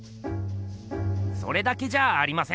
それだけじゃありません！